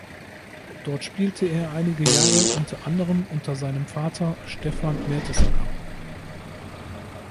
Dort spielte er einige Jahre unter anderem unter seinem Vater Stefan Mertesacker.